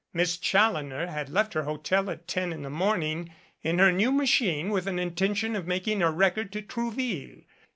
Miss Challoner had left her hotel at ten in the morning in her new machine with an intention of making a record to Trouville.